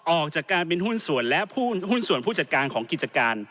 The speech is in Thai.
ออกจากการเป็นหุ้นส่วนและหุ้นส่วนผู้จัดการของกิจการ